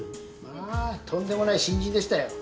まあとんでもない新人でしたよ。